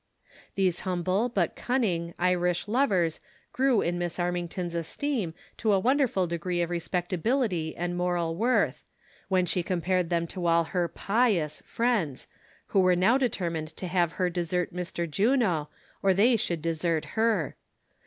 These humble, but cunning, Irish lovers grew in !Miss Armington's esteem to a wonderful degree of respectability and moral worth, wiien she compared them to all her pious (?) friends, who were now determined to have her desert Mr. Juno, or they should desert her.